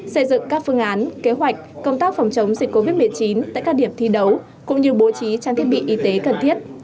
xây dựng các phương án kế hoạch công tác phòng chống dịch covid một mươi chín tại các điểm thi đấu cũng như bố trí trang thiết bị y tế cần thiết